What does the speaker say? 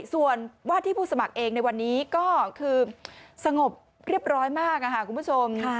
ส่วนว่าที่ผู้สมัครเองในวันนี้ก็คือสงบเรียบร้อยมากค่ะคุณผู้ชม